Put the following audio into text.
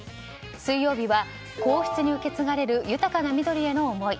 水曜日は皇室に受け継がれる豊かなみどりへの思い。